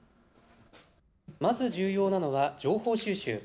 まず重要なのは情報収集。